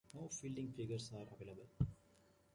No fielding figures are available.